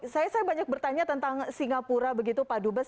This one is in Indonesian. saya banyak bertanya tentang singapura begitu pak dubes